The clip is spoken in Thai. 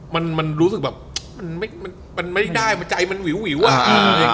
มันมันรู้สึกแบบมันไม่มันไม่ได้ใจมันหวิวหวิวอ่ะอ่า